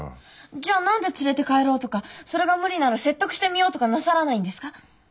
じゃあ何で連れて帰ろうとかそれが無理なら説得してみようとかなさらないんですか？